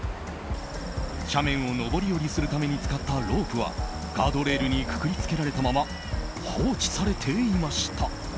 斜面を上り下りするために使ったロープはガードレールにくくり付けられたまま放置されていました。